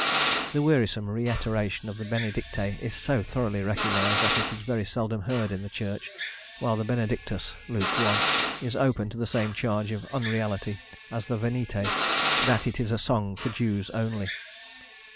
The wearisome reiteration in the Benedicite is so thoroughly recognised that it is very seldom heard in the church, while the Benedictus (Luke i.) is open to the same charge of unreality as is the Venite, that it is a song for Jews only.